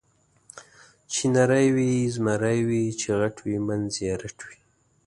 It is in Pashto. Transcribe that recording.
چې نری وي زمری وي، چې غټ وي منځ یې رټ وي.